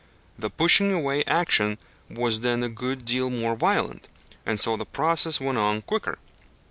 The pushing away action was then a good deal more violent, and so the process went on quicker.